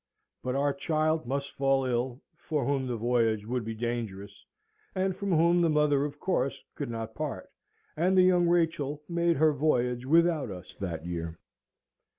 But our child must fall ill, for whom the voyage would be dangerous, and from whom the mother of course could not part; and the Young Rachel made her voyage without us that year.